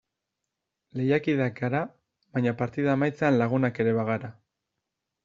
Lehiakideak gara baina partida amaitzean laguna ere bagara.